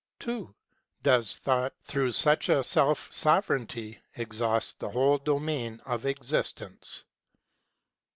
(2) Does Thought, through such a self sovereignty, exhaust the whole domain of existence